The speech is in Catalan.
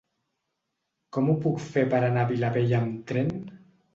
Com ho puc fer per anar a Vilabella amb tren?